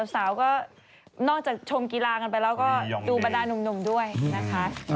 สาวก็นอกจากชมกีฬากันไปแล้วก็ดูบรรดาหนุ่มด้วยนะคะ